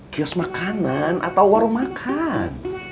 kios makanan atau warung makan